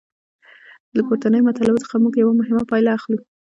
له پورتنیو مطالبو څخه موږ یوه مهمه پایله اخلو.